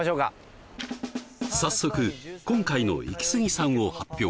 早速今回のイキスギさんを発表！